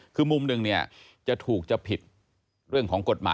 คือมุมหนึ่งเนี่ยจะถูกจะผิดเรื่องของกฎหมาย